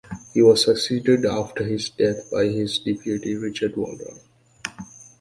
He was succeeded after his death by his deputy, Richard Waldron.